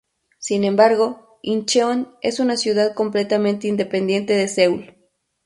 Sin embargo, Incheon es una ciudad completamente independiente de Seúl.